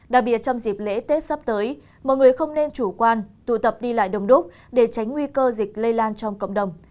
đặc biệt trong dịp lễ tết sắp tới mọi người không nên chủ quan tụ tập đi lại đông đúc để tránh nguy cơ dịch lây lan trong cộng đồng